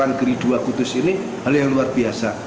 sma negeri dua kudus ini hal yang luar biasa